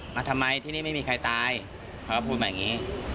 มาทำไมที่นี่ไม่มีใครตายเขาก็พูดมาอย่างนี้